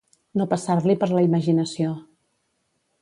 No passar-li per la imaginació.